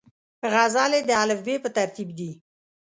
غزلې د الفبې پر ترتیب دي.